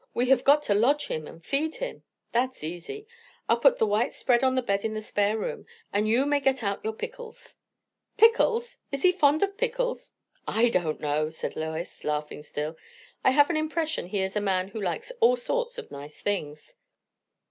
We have got to lodge him and feed him." "That's easy. I'll put the white spread on the bed in the spare room; and you may get out your pickles." "Pickles! Is he fond of pickles?" "I don't know!" said Lois, laughing still. "I have an impression he is a man who likes all sorts of nice things."